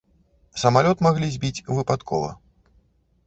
Самалёт маглі збіць выпадкова.